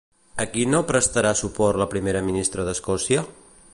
A qui no prestarà suport la primera ministra d'Escòcia?